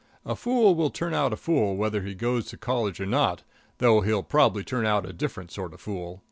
A fool will turn out a fool, whether he goes to college or not, though he'll probably turn out a different sort of a fool.